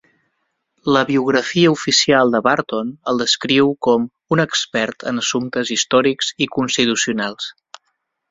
La biografia oficial de Barton el descriu com "un expert en assumptes històrics i constitucionals".